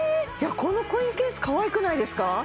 このコインケースかわいくないですか？